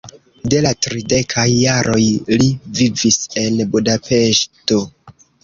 De la tridekaj jaroj li vivis en Budapeŝto.